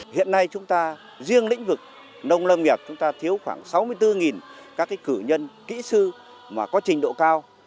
hiện nay chúng ta riêng lĩnh vực nông lâm nghiệp chúng ta thiếu khoảng sáu mươi bốn các cử nhân kỹ sư mà có trình độ cao